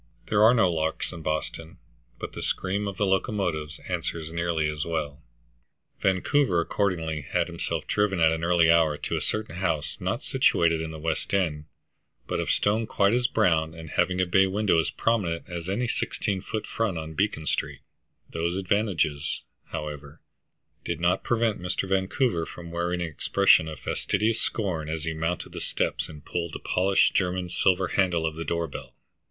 There are no larks in Boston, but the scream of the locomotives answers nearly as well. Vancouver accordingly had himself driven at an early hour to a certain house not situated in the West End, but of stone quite as brown, and having a bay window as prominent as any sixteen foot front on Beacon Street; those advantages, however, did not prevent Mr. Vancouver from wearing an expression of fastidious scorn as he mounted the steps and pulled the polished German silver handle of the door bell.